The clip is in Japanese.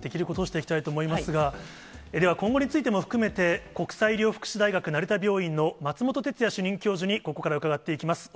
できることをしていきたいと思いますが、では、今後についても含めて、国際医療福祉大学成田病院の松本哲哉主任教授にここから伺っていきます。